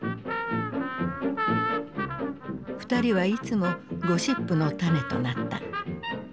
２人はいつもゴシップの種となった。